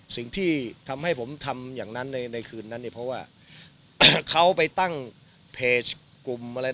สิ่งที่ทำให้ผมทำอย่างนั้นในในคืนนั้นเนี่ยเพราะว่าเขาไปตั้งเพจกลุ่มอะไร